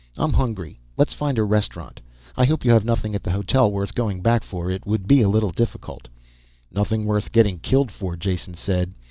I'm hungry, let's find a restaurant. I hope you have nothing at the hotel worth going back for. It would be a little difficult." "Nothing worth getting killed for," Jason said.